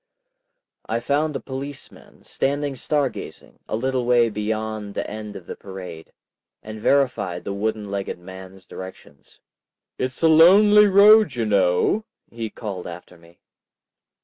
I found a policeman, standing star gazing, a little way beyond the end of the parade, and verified the wooden legged man's directions. "It's a lonely road, you know," he called after me.